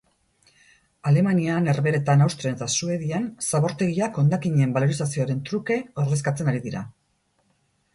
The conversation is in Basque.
Alemanian, Herbeeretan, Austrian eta Suedian zabortegiak hondakinen balorizazioaren truke ordezkatzen ari dira.